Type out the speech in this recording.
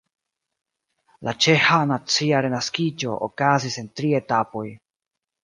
La ĉeĥa nacia renaskiĝo okazis en tri etapoj.